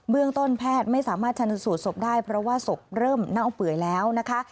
ต้นแพทย์ไม่สามารถชนสูตรศพได้เพราะว่าศพเริ่มเน่าเปื่อยแล้วนะคะ